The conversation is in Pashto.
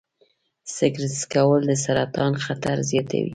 سګرټ څکول د سرطان خطر زیاتوي.